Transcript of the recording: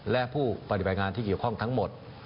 และผู้ปฏิบัติงานที่เกี่ยวข้องทั้งหมด